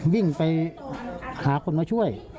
วิ่งไปหาคนมาช่วย